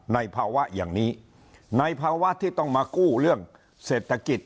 ในภาวะอย่างนี้ในภาวะที่ต้องมากู้เรื่องเศรษฐกิจ